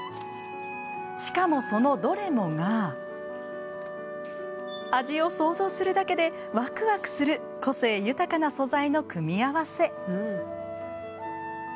しかも、そのどれもが味を想像するだけでわくわくする個性豊かな素材の組み合わせ。